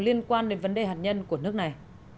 liên quan đến vấn đề hạt nhân của nước này